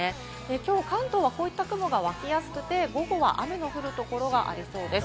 今日、関東はこういった雲が湧きやすくて、午後は雨の降る所がありそうです。